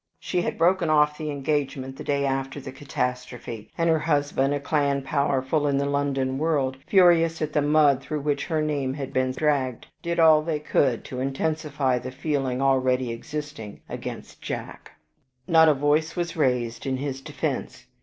She had broken off the engagement the day after the catastrophe, and her family, a clan powerful in the London world, furious at the mud through which her name had been dragged, did all that they could to intensify the feeling already existing against Jack. "Not a voice was raised in his defense.